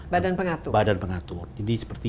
badan pengatur badan pengatur jadi seperti